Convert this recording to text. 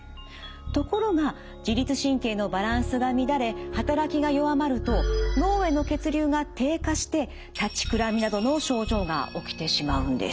ところが自律神経のバランスが乱れ働きが弱まると脳への血流が低下して立ちくらみなどの症状が起きてしまうんです。